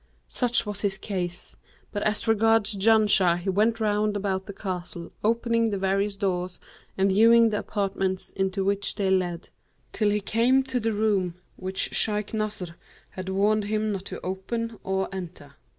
Such was his case; but as regards Janshah, he went round about the castle, opening the various doors and viewing the apartments into which they led, till he came to the room which Shaykh Nasr had warned him not to open or enter.